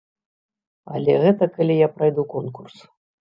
Але гэта калі я прайду конкурс.